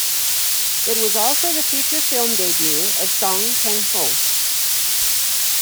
It was also the feature film debut of Song Kang-ho.